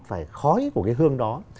phải khói của cái hương đó